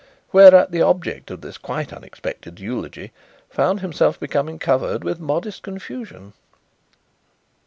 Whereat the object of this quite unexpected eulogy found himself becoming covered with modest confusion.